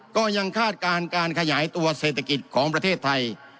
คาดการณ์การขยายตัวเศรษฐกิจของประเทศไทย